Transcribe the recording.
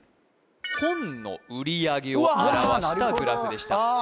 本の売り上げを表したグラフでしたうわ・